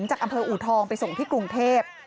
จากอำเภออูทองไปส่งที่กรุงเทพ